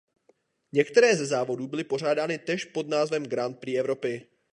Některé ze závodů byly pořádány též pod názvem Grand Prix Evropy.